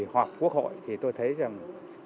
hoặc quốc hội thì tôi thấy rằng